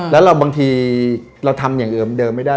แล้วบางทีเราทำอย่างอื่นเดิมไม่ได้